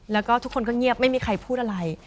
แล้วก็ทุกคนก็เงียบไม่มีใครพูดอะไร